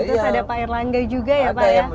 terus ada pak erlangga juga ya pak ya